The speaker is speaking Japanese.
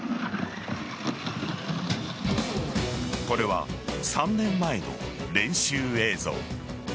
これは３年前の練習映像。